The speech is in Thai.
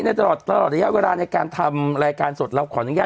สิบเก้าชั่วโมงไปสิบเก้าชั่วโมงไปสิบเก้าชั่วโมงไปสิบเก้าชั่วโมงไป